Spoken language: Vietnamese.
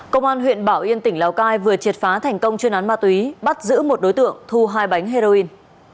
công an huyện bảo yên tỉnh lào cai vừa triệt phá thành công chuyên án ma túy bắt giữ một đối tượng thu hai bánh heroin